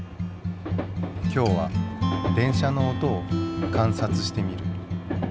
今日は電車の音を観察してみる。